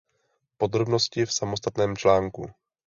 Podrobnosti v samostatném článku.